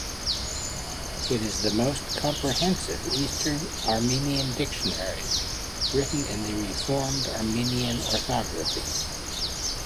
It is the most comprehensive Eastern Armenian dictionary written in the reformed Armenian orthography.